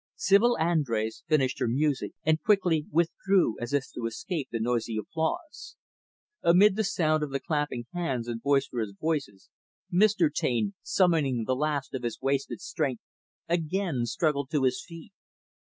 Sibyl Andrés finished her music, and quickly withdrew as if to escape the noisy applause. Amid the sound of the clapping hands and boisterous voices, Mr. Taine, summoning the last of his wasted strength, again struggled to his feet.